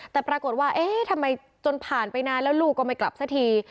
แต่ปรากฏว่าเอ๊ะทำไมจนผ่านไปนานแล้วลูกก็ไม่กลับสักที